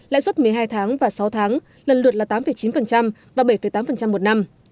lãi suất một mươi hai tháng và sáu tháng lần lượt là tám chín và bảy tám một năm